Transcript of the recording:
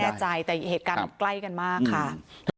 แน่ใจแต่เหตุการณ์มันใกล้กันมากค่ะ